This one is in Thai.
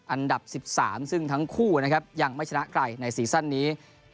อันดับ๑๓ซึ่งทั้งคู่นะครับยังไม่ชนะใครในซีซั่นนี้